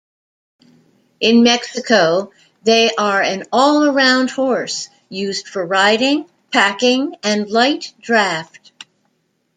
In Mexico, they are an all-around horse, used for riding, packing and light draft.